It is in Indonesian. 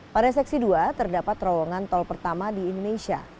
pada seksi dua terdapat terowongan tol pertama di indonesia